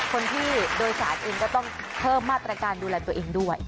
ผู้โดยสารเองก็ต้องเพิ่มมาตรการดูแลตัวเองด้วย